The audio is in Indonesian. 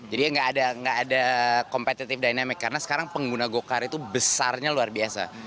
jadi nggak ada competitive dynamic karena sekarang pengguna gokar itu besarnya luar biasa